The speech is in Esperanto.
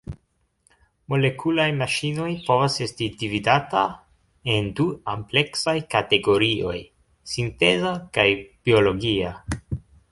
Molekulaj maŝinoj povas esti dividata en du ampleksaj kategorioj; sinteza kaj biologia.